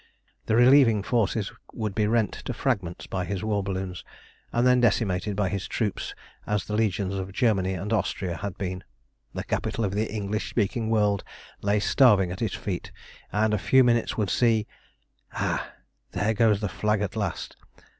The relieving forces would be rent to fragments by his war balloons, and then decimated by his troops as the legions of Germany and Austria had been. The capital of the English speaking world lay starving at his feet, and a few minutes would see Ha! there goes the flag at last.